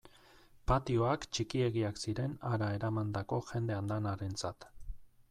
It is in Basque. Patioak txikiegiak ziren hara eramandako jende andanarentzat.